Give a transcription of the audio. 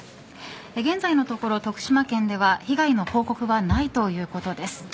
現在のところ、徳島県では被害の報告はないということです。